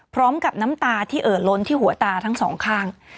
พร้อมกับน้ำตาที่เอ่อล้นที่หัวตาทั้ง๒ครั้ง